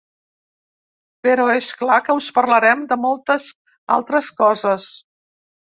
Però és clar que us parlarem de moltes altres coses.